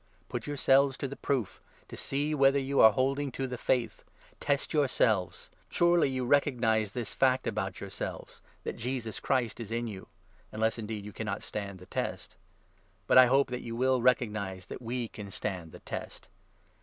Put yourselves to the proof, to see whether you 5 are holding to the Faith. Test yourselves. Surely you recognize this fact about yourselves — that Jesus Christ is in you ! Unless indeed you cannot stand the test ! But I hope 6 that you will recognize that we can stand the test.